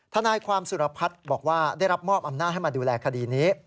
ทนายความสุรพัฒน์บอกว่าได้รับมอบอำนาจให้มาดูแลคดีนี้